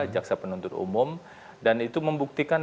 jaksa penuntut umum dan itu membuktikan